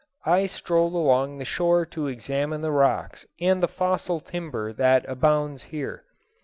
I strolled along the shore to examine the rocks and the fossil timber that abounds here.